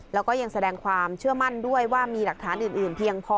แล้วก็ยังแสดงความเชื่อมั่นด้วยว่ามีหลักฐานอื่นเพียงพอ